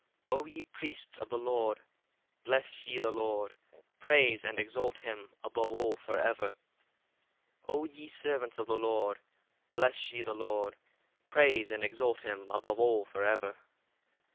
62 O ye priests of the Lord, bless ye the Lord: praise and exalt him above all for ever. 63 O ye servants of the Lord, bless ye the Lord: praise and exalt him above all for ever.